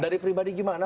dari pribadi gimana